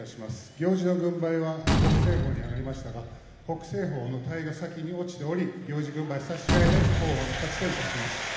行司の軍配は北青鵬に上がりましたが北青鵬の体が先に落ちており行司軍配差し違えで王鵬の勝利といたします。